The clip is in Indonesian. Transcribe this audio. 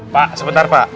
pak sebentar pak